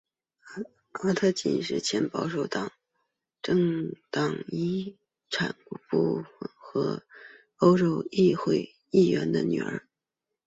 阿特金斯是前保守党政府国家遗产部和欧洲议会议员的女儿。